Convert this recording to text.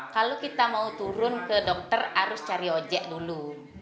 kalau kita mau turun ke dokter harus cari ojek dulu